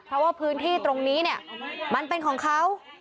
เพราะว่าพื้นที่ตรงนี้เนี่ยมันเป็นของเขา